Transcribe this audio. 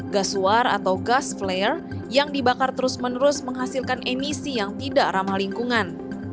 gas suar atau gas flare yang dibakar terus menerus menghasilkan emisi yang tidak ramah lingkungan